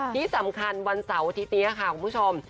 ที่สำคัญวันเสาร์อาทิตย์นี้ค่ะคุณผู้ชม